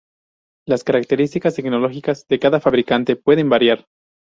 Las características tecnológicas de cada fabricante pueden variar.